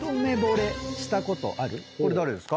これ誰ですか？